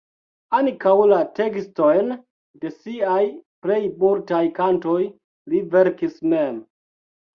Ankaŭ la tekstojn de siaj plej multaj kantoj li verkis mem.